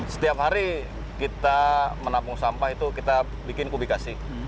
setiap hari kita menampung sampah itu kita bikin kubikasi